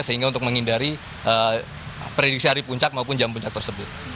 sehingga untuk menghindari prediksi hari puncak maupun jam puncak tersebut